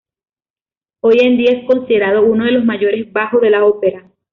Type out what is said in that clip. Hoy en día es considerado uno de los mayores bajo de la ópera.